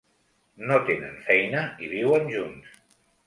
No tenen feina i viuen junts.